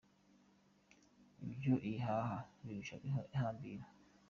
Ibyo ihaha birushya ihambira.